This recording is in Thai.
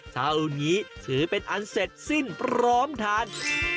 เท่านี้ถือเป็นอันเสร็จสิ้นพร้อมทาน